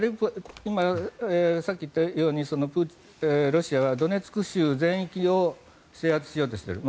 さっき言ったようにロシアはドネツク州全域を制圧しようとしている。